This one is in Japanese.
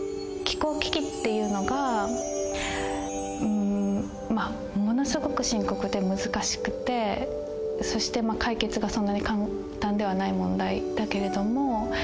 気候危機っていうのがものすごく深刻で難しくてそして解決がそんなに簡単ではない問題だけれども。